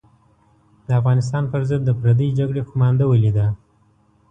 د افغانستان پر ضد د پردۍ جګړې قومانده ولیده.